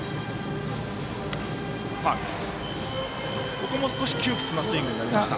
ここも少し窮屈なスイングになりました。